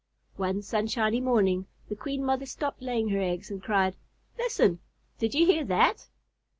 One sunshiny morning the Queen Mother stopped laying her eggs and cried: "Listen! did you hear that?"